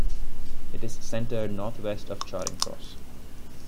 It is centred northwest of Charing Cross.